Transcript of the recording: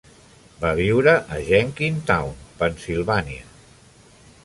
Va viure a Jenkintown, Pennsilvània.